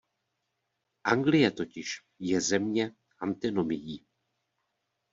Anglie totiž je země antinomií.